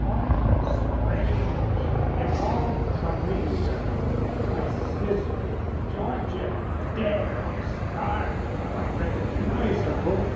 All strange, yet all familiar my sister Georgian dead stark but recognizable.